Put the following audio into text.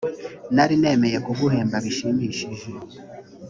nari nemeye kuguhemba bishimishije.